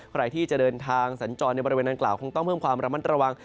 ใครที่จะเดินทางสัญจรในบริเวณดังกล่าวคงต้องเพิ่มความระมัดระวัง